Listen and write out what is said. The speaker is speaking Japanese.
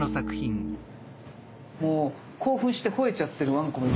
もう興奮してほえちゃってるわんこも。